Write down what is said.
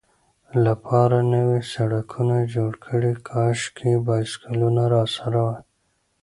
لپاره نوي سړکونه جوړ کړي، کاشکې بایسکلونه راسره وای.